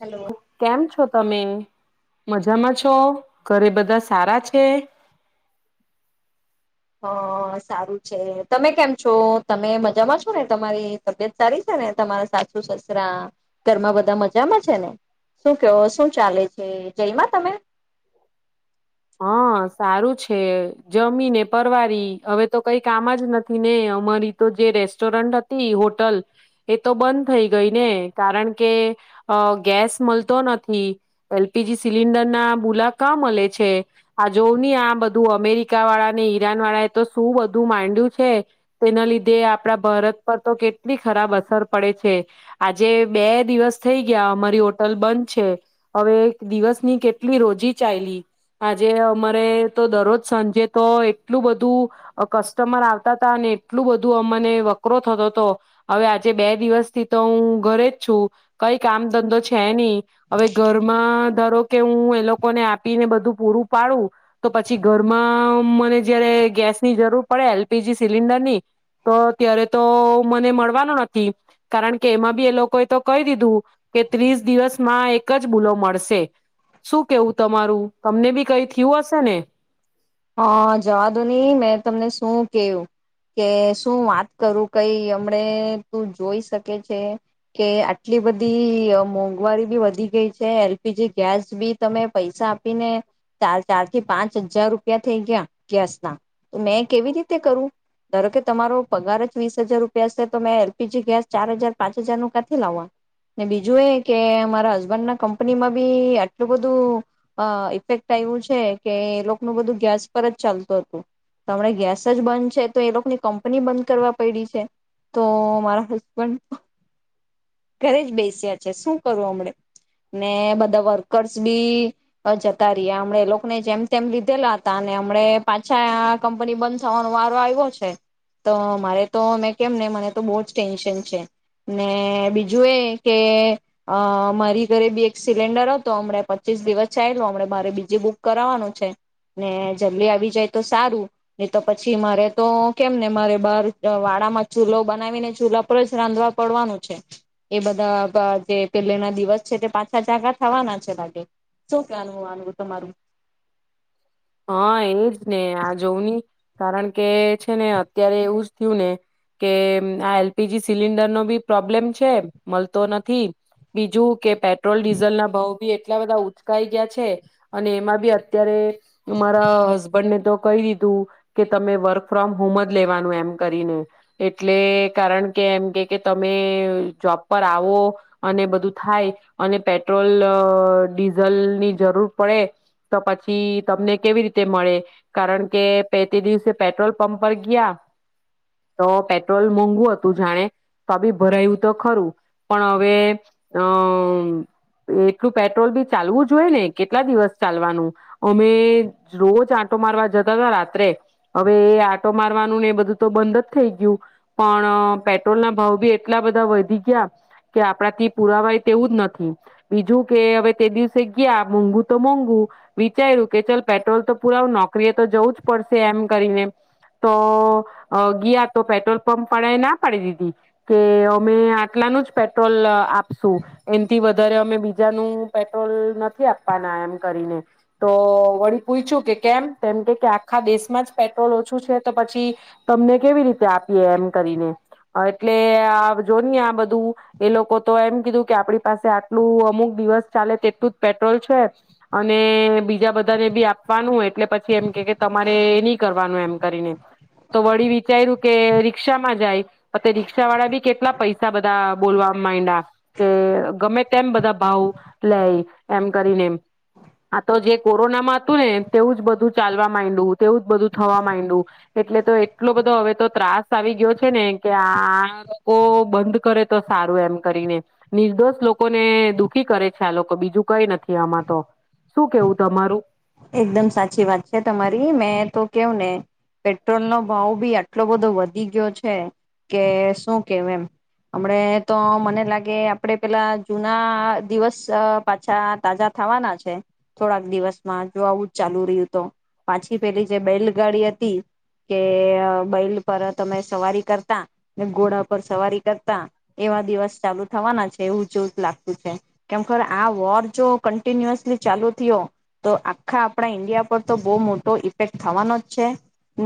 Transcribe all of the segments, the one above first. Hello કેમ છો તમે? મજામાં છો? ઘરે બધા સારા છે? હઅ સારું છે. તમે કેમ છો? તમે મજામાં છો ને, તમારી તબિયત સારી છે ને, તમારા સાસુ સસરા ઘરમાં બધા મજામાં છે ને, શું કેવો શું ચાલે છે જઈમાં તમે? હા સારું છે. જમીને પરવારી હવે તો કઈ કામ જ નથી ને અમારી તો જે રેસ્ટોરન્ટ હતી હોટલ એ તો બંધ થઈ ગઈ ને કારણ કે અહ ગેસ મલતો નથી. એલ પી જી સિલિન્ડર ના ભૂલા કા મલે છે. આ જો હી આ બધું અમેરિકા વાળા ને ઈરાન વાળા એ તો શું બધું માંડ્યું છે, તેના લીધે આપડા ભારત પર તો કેટલી ખરાબ અસર પડે છે. આજે બે દિવસ થઈ ગયા અમારી હોટલ બંધ છે. હવે દિવસની કેટલી રોજી ચાઈલી આજે અમારે તો દરરોજ સાંજે તો એટલું બધું અહ કસ્ટમર આવતા હતા અને એટલું બધું અમને વકરો થતો હતો હવે આજે બે દિવસ થી તો હું ઘરે જ છું કઈ કામ ધંધો છે નહી. હવે ઘરમાં ધારો કે હું એ લોકોને આપીને બધું પૂરું પાડું તો પછી ઘરમાં મને જયારે ગેસની જરૂર પડે એલ પી જી સિલિન્ડર ની તો ત્યારે તો મને મળવાનું નથી કારણ કે એમાં બી એ લોકોએ તો કહી દીધું કે ત્રીસ દિવસમાં એક જ બૂલો મળશે. શું કેવું તમારું? તમને બી કઈ થીયું હશે ને? હા જવા દો ની મેં તમને શું કેહું કે શું વાત કરું કઈ હમણે તું જોઈ શકે છે કે આટલી બધી અહ મોંઘવારી બી વધી ગઈ છે એલ પી જી ગેસ બી તમે પૈસા આપીને ચાર ચાર થી પાંચ હજાર રૂ પિયા થઈ ગયા ગેસ ના. તો મેં કેવી રીતે કરું ધારો કે તમારો પગાર જ વીસ હજાર રૂપિયા હશે તો મેં એલપીજી ગેસ ચાર હજાર પાંચ હજાર નું ક્યાંથી લાવવા ને બીજું એ કે મારા હસબન્ડ ના કંપનીમાં બી આટલું બધું અહ ઇફેક્ટ આવ્યું છે કે એ લોક બધું ગેસ પર જ ચાલતું હતું. હમણે ગેસ જ બંધ છે તો એ લોકોની કંપની બંધ કરવા પડી છે તો અહ મારા હસબન્ડ ઘરે જ બેસ્યા છે શું કરું હમણે ને બધા વર્કર્સ બી અહ જતા રહ્યા એ લોકોને જેમ તેમ લી તેલા હતા અને હમણે પાછા આ કંપની બંધ થવાનો વારો આવ્યો છે તો મારે તો મેં કેમ ને મને તો બહુ જ ટેન્શન છે. ને બીજું એ કે અહ મારી ઘરે બી એક સિલિન્ડર હતો હમણા પચીસ દિવસ ચાલો હમણે મારે બીજ બુક કરાવવાનું છે. ને જલ્દી આવી જાય તો સારું ને તો પછી મારે તો કેમ ને મારે બહાર અહ વાળામાં ચૂલો બનાવીને ચૂલા પર જ રાંધવા પડવાનું છે. એ બધા પ જે પેલે ના દિવસ છે તે પાછા ચકા થવાના છે લાગે શું કહેવાનું આનું તમારું? હા, એજ ને આ જોવુંની કારણ કે છે ને અત્યારે એવું જ થયું ને કે આ એલ પી જી સિલિન્ડર નો બી પ્રોબ્લેમ છે મળતો નથી બીજું કે પેટ્રોલ ડીઝલ ના ભાવ ભી એટલા બધા ઉચકાઈ ગયા છે અને એમાં બી અત્યારે મારા હસબન્ડને તો કહી દીધું કે તમે વર્ક ફ્રોમ હોમ જ લેવાનું એમ કરીને એટલે કારણ કે એમ કે કે તમે જોબ પર આવો અને બધું થાય અને પેટ્રોલ અહ ડીઝલ ની જરૂર પડે તો પછી તમને કેવી રીતે મળે કારણ કે પે તે દિવસે પેટ્રોલ પંપ પર ગયા તો પેટ્રોલ મોંઘું હતું જાણે તો આ બી ભરાયું તો ખરું પણ હવે અહ હમ્મ એટલું પેટ્રોલ બી ચાલવું જોઈય ને કેટલા દિવસ ચાલવાનું. અમે રોજ આંટો મારવા જતા હતા રાત્રે હવે એ આંટો મારવાનુંને બધું તો બંધ જ થઈ ગયું પણ પેટ્રોલ ના ભાવ બી એટલા બધા વધી ગયા કે આપણાથી પુરાવાય તેવું જ નથી બીજું કે હવે તે દિવસે ગયા મોંઘુ તો મોંઘું વી ચાર્યું કે ચ પેટ્રોલ તો પુરાું નોકરીએ તો જવું જ પડશે એમ કરીને. તો અહ ગયા તો પેટ્રોલ પંપ વાળાએ ના પાડી દીધી કે અમે આટલાનું જ પેટ્રોલ અહ આપશુ એનથી વધારે અમે બીજાનું પેટ્રોલ નથી આપવાના એમ કરીને. તો વળી પૂછું કે કેમ તેમ કે કે આખા દેશમાં જ પેટ્રોલ ઓછું છે તો પછી, તમને કેવી રીતે આપીએ એમ કરીને, એટલે જો ન આ બધું, એ લોકો તો એમ કીધું કે આપણી પાસે આટલું અમુક દિવસ ચાલે તેટલું જ પેટ્રોલ છે, અને બીજા બધાને બી આપવાનું એટલે પછી એમ કે તમારે નહી કરવાનું એમ કરીને, તો વળી વિચાર્યું કે રિક્ષામાં જાય, તો રી્ષા વાળા બી કેટલા પૈસા બધા બોલવા માંડા કે ગમે તેમ બધા ભાવ લે એમ કરીને એમ આ તો જે કોરોનામાં હતું ને તેવું જ બધું ચાલવા માંડું તેવું જ બધું થવા માંડું, એટલે તો એટલો બધો હવે તો ત્રાસ આવી ગયો છે ને કે આ લોકો બંધ કરે તો સારું એમ કરીને, નિર્દોષ લોકોને દુઃખી કરે છે આ લોકો બીજું કઈ નથી આમાં તો શું કેવું તમારું. એકદમ સાચી વાત છે તમારી મેં તો કેવું ને, પેટ્રોલ નો ભાવ બી આટલો બધો વધી ગયો છે, કે શું કેવ એમ હમણે તો મને લાગે આપડે પેલા જુના દિવસ પાછા તાજા થવાના છે, થોડાક દિવસ. જો આવું જ ચાલુ રહ્યું તો, પાછી પેલી જે બેલગાડી હતી કે બલ પર તમે સવારી કરતા, ને ઘોડા પર સવારી કરતા એવા દિવસ ચાલુ થવાના છે એવું જોવું જ લાગતું છે, કેમર આ વોર જો કન્ટિન્યુઅસલી ચાલુ થયો. તો આખા આપણા ઈન્ડિયા પર તો બહુ મોટો ઇફેક્ટ થવાનો જ છે,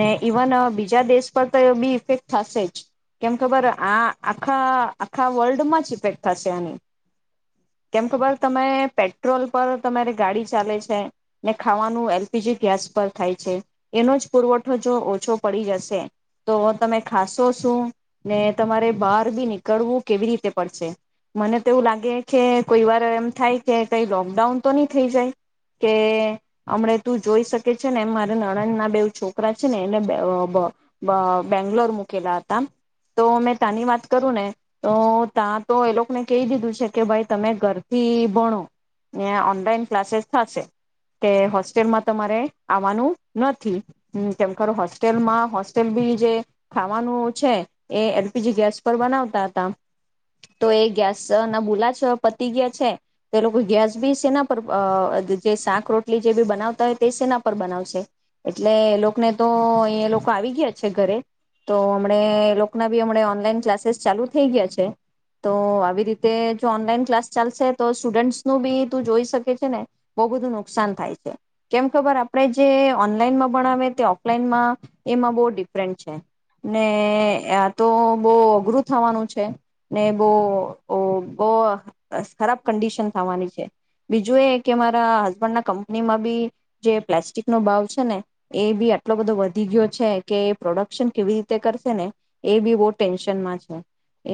ને ઇવન બીજા દેશ પર તો એ બી ઇફેક્ટ થશે જ, કેમ ખબર આ આખા આખા વર્લ્ડમાં જ ઇફેક્ટ થશે આની, કેમ ખબર તમે પેટ્રોલ પર તમારી ગાડી ચાલે છે. ને ખાવાનું એલ પી જી ગેસ પર થાય છે, એનો જ પુરવઠો જો ઓછો પડી જશે તો તમે ખાશો શું ને તમારે બહાર બી નીકળવું કેવી રીતે પડશે, મને તોવું લાગે કે કોઈ વાર એમ થાય કે કઈ લોકડાઉન તો નહી થઈ જાય. કે હમણા તું જોઈ શકે છે ને મારા નણંદ ના બેવ છોકરા છે ને એને બેંગ્લોર મૂકેલા હતા, તો મેં ત્યાની વાત કરું ને તો ત્યાં તો એ લોકોને કહી દીધું છે કે ભાઈ તમે ઘરથી ભણો, ઓનલાઈન ક્લાસીસ થશે, કે હોસ્ટેલમાં તમારે આવવાનું નથી, કે ખર હોસ્ટેલમાં હોસ્ટેલ બી જે ખાવાનું છે, એ એલ પી જી ગેસ પર બનાવતા હતા, તો એ ગેસ ના બોલા પતી ગયા છે, તે લોકો ગેસ બી સેના પર જે શાક રોટલી જે બી બનાવતા હોય તે સેના પર બનાવશે, એટલે એ લોકોને તો અહી એ લોકો આવી ગયા છે ઘરે, તો હમ એ લોકોના બી હમ ઓનલાઈન ક્લાસીસ ચાલુ થઈ ગયા છે, તો આવી રીતે જો ઓનલાઈન ક્લાસ ચાલશે તો સ્ટુડન્ટસ નું બી તું જોઈ શકે છે ને. બહુ બધું નુકસાન થાય છે, કેમ ખબર આપણે જે ઓનલાઈનમાં ભણાવે તે ઓફલાઈનમાં, એમાં બહુ ડિફરન્ટ છે, ને આ તો બહુ અઘરું થવાનું છે, ને બહુ બહ ખરાબ કન્ડિશન થવાની છે, બીજું એ કેરે હસબન્ડ ના કંપનીમાં બી, જે પ્લાસ્ટિક નો ભાવ છે ને એ બી આટલો બધો વધી ગયો છે કે પ્રોડક્શન કેવી રીતે કરશે ને, એ બી બહુ ટેન્શનમાં છે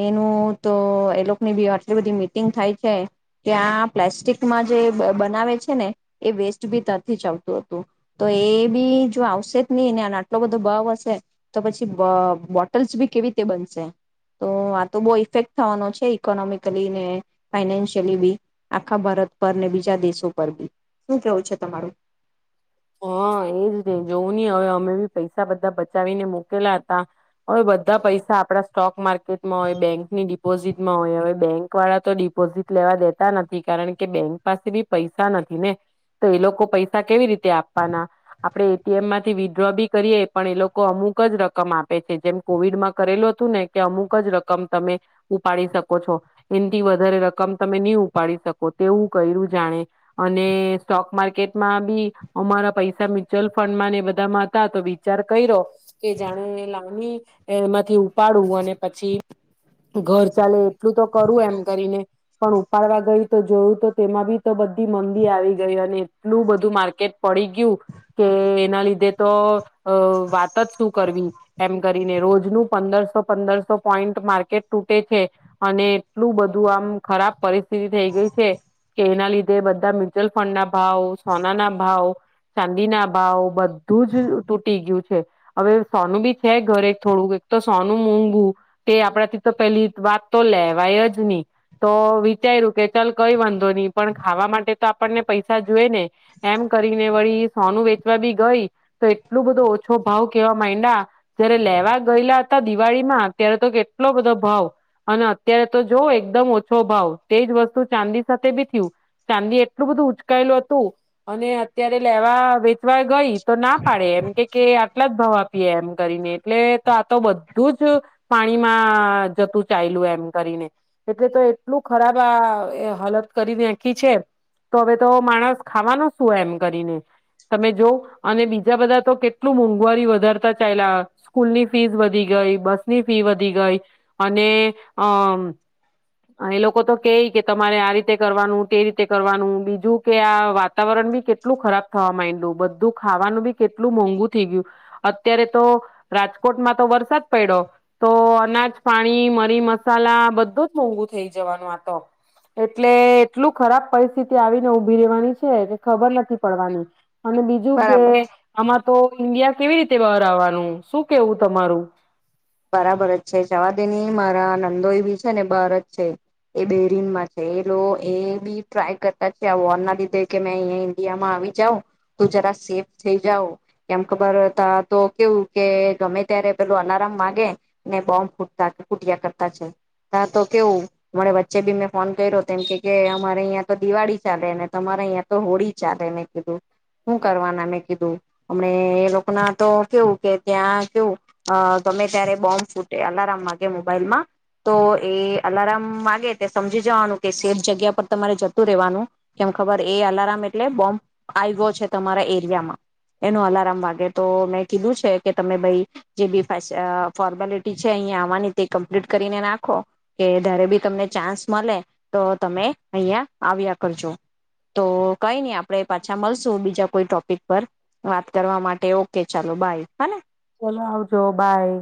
એનું તો એ લોકોની બી આટલી બધી મીટિંગ થાય છે, ત્યાં પ્લાસ્ટિકમાં જે બનાવે છે ને, એ વેસ્ટ બી તથી જ આવતું હતું, તો એ બી જો આવશે જ નહી ને આટલો બધો ભાવ હશે. તો પછી બોટલ્સ બી કેવી રીતે બનશે, તો આ તો બહુ ઇફેક્ટ થવાનો છે ઇકોનોમિકલી ને. ફાઈનાન્શિયલી બી આખા ભારત પર ને બી બીજા દેશો પર બી, શું કેવું છે તમારું. હા એજ નહી જોવું નહ હવે અમે બી પૈસા બધા બચાવીને મુકેલા હતા, હવે બધા પૈસા આપડા સ્ટોક માર્કેટમાં હોય બેંકની ડિપોઝીટમાં હોય હવે બેંક વાળા તો ડિપોઝિટ લેવા દેતા નથી કારણ કે બેંક પાસે બી પૈસા નથી ને, તો એ લોકો પૈસા કેવી રીતે આપે. આપે એ ટી એમ માંથી વિડ્રો બી કરીએ પણ એ લોકો અમુક જ રકમ આપે છે જેમ કોવિડમાં કરેલું હતું ને કે અમુક જ રકમ તમે, ઉપાડી શકો છો એનથી વધારે રકમ તમે નહી ઉપાડી શકો, તેવું કર્યું જાણે, અને સ્ટોક માર્કેટમાં બી અમારા પૈસા મ્યુચ્યુઅલ ફંડ માં ને એ બધામાં હતા તો વિચાર કર્યો, કે જાણે લાણી એમાંથી ઉપાડું અને પછી ઘર ચાલે. એટલું તો કરવું એમ કરીને, પણ ઉપાડવા ગઈ તો જોયું તો તેમાં બી તો બધી મંદી આવી ગઈ અને એટલું બધું માર્કેટ પડી ગયું, કે એના લીધે તો અ વાત જ શું કરવી એમ કરીને રોજ. નુ પંદરસો પંદરસો પોઈન્ટ માર્કેટ તૂટે છે અને એટલું બધું આમ ખરાબ પરિ એ થઈ ગયુ છે કે એના લીધે એ બધા મ્યુચુઅલ ફંડના ભાવ સોના ના ભાવ. ચાંદી ના ભાવ બ બધું જ તૂટી ગીયું છે. હવે સોનું બી છે ઘરે થોડુંક એક તો સોનું મોૂઘું તે આપડા થી તો પેલી વાત તો લેવાય જ નહી તો વિચાર્યું કે ચાલ કઈ વાં ધોની પણ ખાવા માટે તો આપને પૈસા જો ને એમ ક ને વળી સોનું વેચવા બી ગઈ તો એટલું બધો ઓછો ભાવ કેવા માંડયા જયારે લેવા ગયેલા હતા દિવાળીમાં ત્યારે તો કેટલો બધો ભાવ અને અત્યારે તો જો એકદમ ઓછો ભાવ તેજ વસ્તુ ચાંદી સાથે બી થયું ચાંદી એટલું બધું ઉચકાયેલું હતું અને અત્યારે લેવા વેચવા ગઈ તો ના પાડે એમ કે કે આટલા જ ભાવ આપીએ એમ કરીને એટલે તો આ તો બ બધું જ પાણીમાં જતું ચાલયુ એમ કરીને એટલે તો એટલું ખરાબ આ હાલત કરી નાખી છે તો હવે તો માણસ ખાવાનો શું એમ કરીને તમે જો અને બીજા બધા તો કેટલું મોંઘવારી વધારતા ચાલયા સ્કૂલ ની ફીસ વધી ગઈ બસની ફી વધી ગઈ અને અમ એ લોકો તો કે કે તમારે આ રીતે કરવાનું તે રીતે કરવાનું બીજું કે આ વાતાવરણ બી કે કેટલું ખરાબ થવા માંડયુ બધું ખાવાનું બી કેટલું મોંઘું થઈ ગયું અત્યારે તો રાજકોટમાં તો વરસાદ પડ્યો તો અનાજ પાણી મરી મસાલા બધો જ મોંઘુ થઈ જવાનું આતો એટલે એટલું ખરાબ પરિસ્થિતિ આવીને ઉભી રહેવાની છે કે ખબર નથી પડવાની અને બીજું બરાબર કે આમાં તો ઇન્ડિયા કેવી રીતે બહાર આવવાનું, શું કેવું તમારું? બરાબર જ છે જવા દેની, મારા નંદોય બી છે ને બાર જ છે એ બેરીનમાં છે, એ લોકો એ બી ટ્રાય કરતા છે, આ વૉરના લીધે કે મેં અહીંયા ઈન્ડિયામાં આવી જાઉ તો જરા સેફ થઈ જાાવ એમ ખબર ત્યાં તો કેવું કે ગમે ત્યારે પેલું એલાર્મ વાગે છે, ને બોમ્બ ફૂટતા ફૂટ્યા કરતા છે. ત્યા તો કેવું અરે વચ્ચે બી મેં ફોન કર્યો તેમ કે કે અમારે અહીંયા તો દિવાળી ચાલેને, તમારે અહીયાં તો હોળી ચાલે મેં કીધું, હું કરવાના મેં કીધું હમ એ લોકો ના તો કેવું કે ત્યાં કેવું તમે ત્યારે બોમ્બ ફૂટે, અલાર્મ વાગે મોબાઈલમાં તો એ અલાર્મ વાગે તે સમજી જવાનું કે સેફ જગ્યા પર તમારે જતું રહેવાનું, કેમ ખબર એ અલાર્મ એટલે બોમ્બ આવ્યો છે, તમારા એરિયામાં એનું અલાર્મ વાગે તો મેં કીધું છે કે તમે ભાઈ જે બી ફ અહ ફોર્મેલિટી છે અહિયાં આવવાની તે કમ્પ્લીટ કરીને નાખો કે જારે બી તમને ચાન્સ મળે તો તમે અહં આવ્યા કરજો, તો કઈ નઈ આપડે પાછા મળશું બીજા કોઈ ટોપિક પર વાત કરવા માટે, ઓકે, ચાલો બાય હાને. ચલો આવજો, બાય.